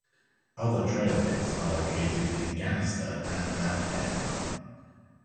Other trailheads are located in Ganister and Mount Etna.